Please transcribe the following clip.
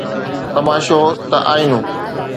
تماشو ته آئينو!